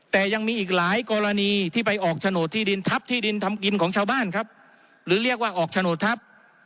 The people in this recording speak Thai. แต่ยังมีอีกหลายกรณีที่ไปออกโฉนดที่ดินทัพที่ดินทำกินของชาวบ้านครับหรือเรียกว่าออกโฉนดทัพ